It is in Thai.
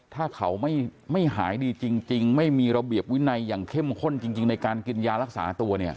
ถ้าเขาไม่หายดีจริงไม่มีระเบียบวินัยอย่างเข้มข้นจริงในการกินยารักษาตัวเนี่ย